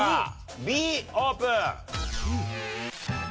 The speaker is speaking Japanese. Ｂオープン！